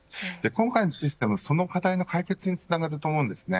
今回のシステムその課題の解決につながると思うんですね。